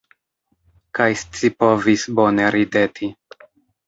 Kaj scipovis bone rideti.